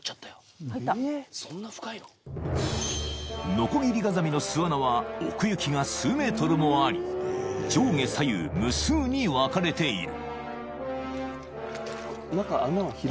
［ノコギリガザミの巣穴は奥行きが数メートルもあり上下左右無数に分かれている］